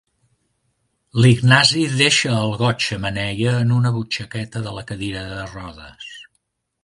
L'Ignasi deixa el got xemeneia en una butxaqueta de la cadira de rodes.